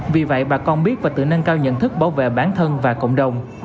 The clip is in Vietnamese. vì vậy bà con biết và tự nâng cao nhận thức bảo vệ bản thân và cộng đồng